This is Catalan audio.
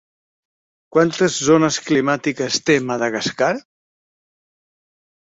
Quantes zones climàtiques té Madagascar?